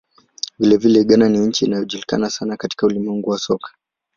Vilevile, Ghana ni nchi inayojulikana sana katika ulimwengu wa soka.